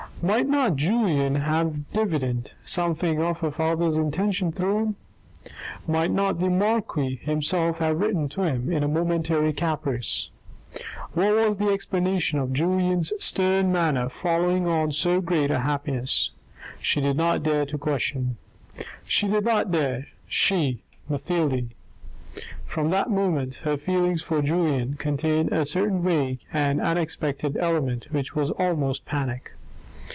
Might not Julien have divined something of her father's intentions through him ? Might not the marquis himself have written to him in a momentary caprice. What was the explanation of Julien's stern manner following on so great a happiness ? She did not dare to question. She did not dare — she — Mathilde ! From that moment her feelings for Julien contained a certain vague and un expected element which was almost panic.